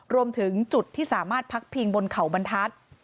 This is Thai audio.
รวมถึงจุดที่สามารถพักพิงบนเขาบรรทัศน์